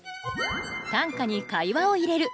短歌に会話を入れる。